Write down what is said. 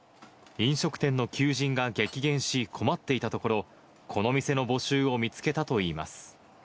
飲食店の求人が激減し困っていたところ、この店の募集を見つけたといいます。